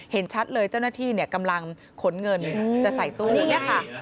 เห็นชัดเลยเจ้าหน้าที่กำลังขนเงินจะใส่ตู้นี้ค่ะ